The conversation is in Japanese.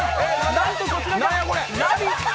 なんと、こちらにラヴィット！